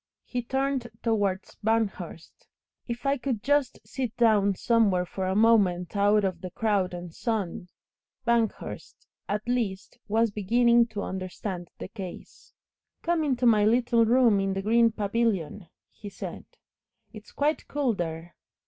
He turned towards Banghurst. "If I could just sit down somewhere for a moment out of the crowd and sun " Banghurst, at least, was beginning to understand the case. "Come into my little room in the green pavilion," he said. "It's quite cool there."